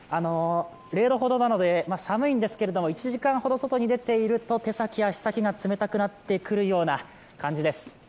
０度ほどなので寒いんですけど、１時間ほど外に出ていると手先、足先が冷たくなってくるような感じです。